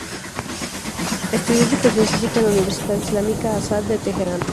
Estudió educación física en la Universidad Islámica Azad de Teherán.